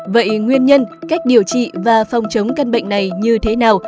vậy nguyên nhân cách điều trị và phòng chống căn bệnh này như thế nào